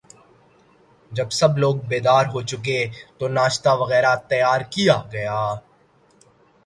جب سب لوگ بیدار ہو چکے تو ناشتہ وغیرہ تیار کیا گیا